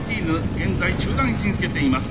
現在中団位置につけています。